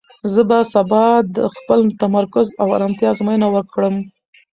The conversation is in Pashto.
زه به سبا د خپل تمرکز او ارامتیا ازموینه وکړم.